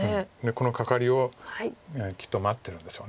このカカリをきっと待ってるんでしょう。